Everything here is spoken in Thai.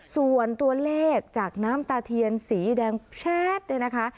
ส่วนตัวเลขจากน้ำตาเทียนสีแดงแชทเนี่ยนะคะ